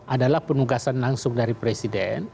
adalah penugasan langsung dari presiden